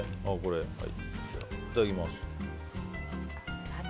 いただきます。